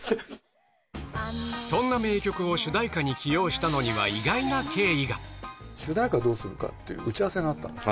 そんな名曲を主題歌に起用し主題歌どうするかっていう打ち合わせがあったんです。